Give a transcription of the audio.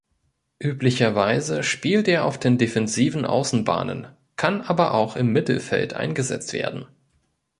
Üblicherweise spielt er auf den defensiven Außenbahnen, kann aber auch im Mittelfeld eingesetzt werden.